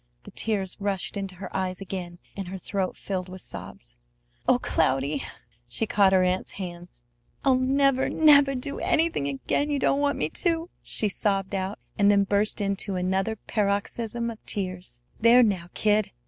The tears rushed into her eyes again, and her throat filled with sobs. "O Cloudy!" She caught her aunt's hands. "I'll never, never do anything again you don't want me to!" she sobbed out, and then burst into another paroxysm of tears. "There! Now, kid!